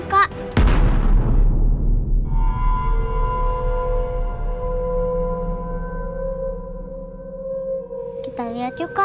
kita lihat juga